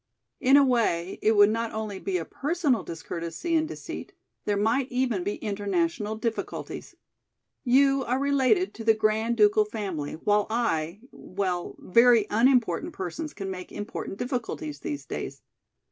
In a way it would not only be a personal discourtesy and deceit, there might even be international difficulties. You are related to the Grand Ducal family while I, well, very unimportant persons can make important difficulties these days!